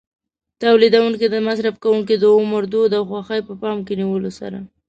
تولیدوونکي د مصرف کوونکو د عمر، دود او خوښۍ په پام کې نیولو سره.